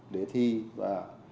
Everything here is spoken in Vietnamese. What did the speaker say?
để thi và